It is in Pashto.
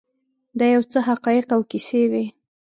دا یو څه حقایق او کیسې وې.